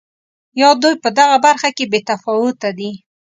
یا دوی په دغه برخه کې بې تفاوته دي.